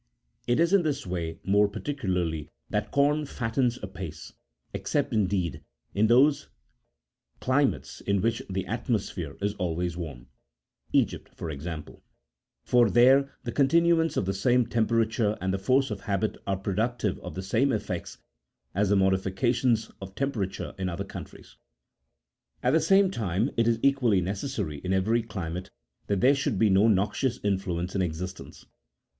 It is in this way, more particularly, that corn fattens apace, except, indeed, in those climates in which the atmosphere is always warm, Egypt for example ; for there the continuance of the same temperature and the force of habit are productive of the same effects as the modifications of temperature in other countries. At the same time it is equally necessary in every climate that there should be no noxious influence in existence.